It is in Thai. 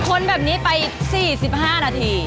ค้นแบบนี้ไป๔๕นาที